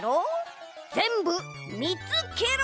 ぜんぶみつケロ！